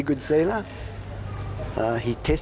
คิดว่าเกิดอะไรขึ้น